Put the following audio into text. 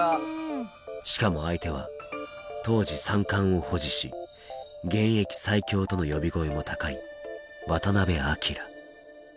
しかも相手は当時三冠を保持し現役最強との呼び声も高い渡辺明。